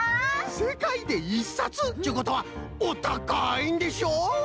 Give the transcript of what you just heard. せかいで１さつっちゅうことはおたかいんでしょ？